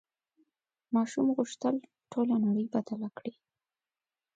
ماشوم غوښتل ټوله نړۍ بدله کړي.